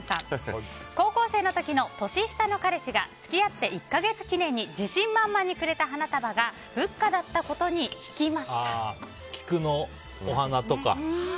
高校生の時の年下の彼氏が付き合って１か月記念に自信満々にくれた花束が菊のお花とか。